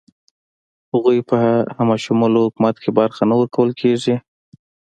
هغوی په همه شموله حکومت کې برخه نه ورکول کیږي.